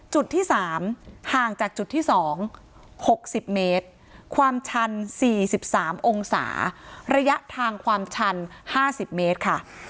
จุดที่๓ห่างจากจุดที่๒๖๐เมตรความชัน๔๓องศาระยะทางความชัน๕๐เมตรค่ะ